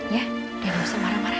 ya jangan lusah marah marah